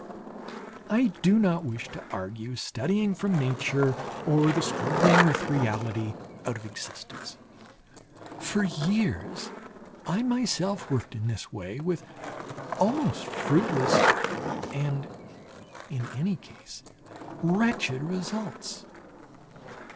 I do not wish to argue studying from Nature or the struggling with reality, out of existence; for years I myself worked in this way with almost fruitless and, in any case, wretched results.